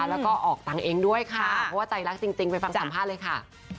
แล้วก็ออกตังค์เองด้วยค่ะเพราะว่าใจรักจริงไปฟังสัมภาษณ์เลยค่ะ